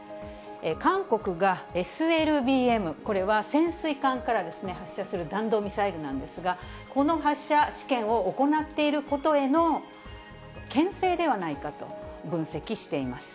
韓国が、ＳＬＢＭ、これは潜水艦からですね、発射する弾道ミサイルなんですが、この発射試験を行っていることへのけん制ではないかと、分析しています。